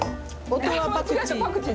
音羽パクチー。